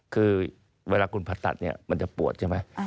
คือเวลาคุณผ่าตัดเนี่ยมันจะปวดใช่ไหม